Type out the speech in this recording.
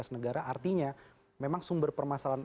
negara artinya memang sumber permasalahan